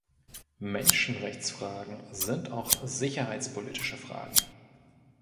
Menschenrechtsfragen sind auch sicherheitspolitische Fragen.